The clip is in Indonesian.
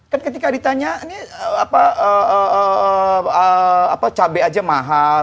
kan ketika ditanya ini apa cabai aja mahal